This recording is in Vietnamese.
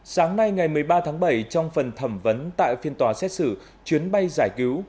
sáng nay ngày một mươi ba tháng bảy trong phần thẩm vấn tại phiên tòa xét xử chuyến bay giải cứu